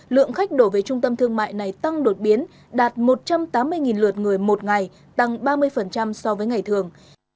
lượng khách đổ về trung tâm thương mại này tăng đột biến đạt một trăm tám mươi lượt người một ngày tăng ba mươi so với ngày thường